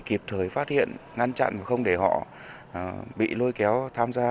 các hoạt động tà đạo này